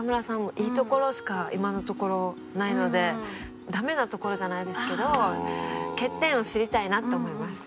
いいところしか今のところないのでダメなところじゃないですけど欠点を知りたいなって思います。